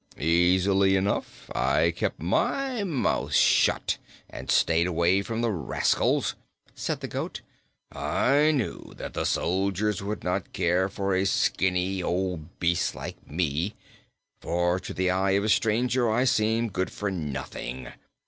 "Easily enough. I kept my mouth shut and stayed away from the rascals," said the goat. "I knew that the soldiers would not care for a skinny old beast like me, for to the eye of a stranger I seem good for nothing.